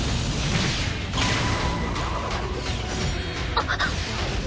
あっ！